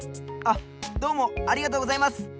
あっどうもありがとうございます。